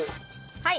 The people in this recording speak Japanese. はい。